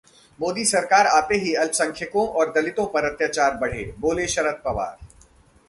मोदी सरकार आते ही अल्पसंख्यकों और दलितों पर अत्याचार बढ़े, बोले शरद पवार